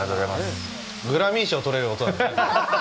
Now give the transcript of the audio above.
グラミー賞取れる音だね。